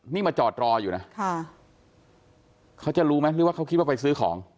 นี่มาจอดรออยู่นะค่ะเขาจะรู้ไหมหรือว่าเขาคิดว่าไปซื้อของ